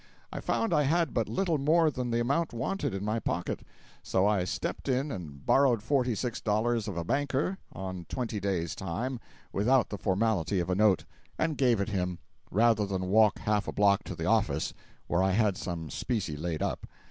I found I had but little more than the amount wanted, in my pocket; so I stepped in and borrowed forty six dollars of a banker (on twenty days' time, without the formality of a note), and gave it him, rather than walk half a block to the office, where I had some specie laid up.